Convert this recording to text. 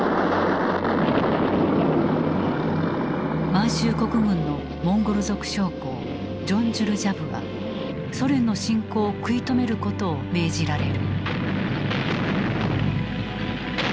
満州国軍のモンゴル族将校ジョンジュルジャブはソ連の侵攻を食い止めることを命じられる。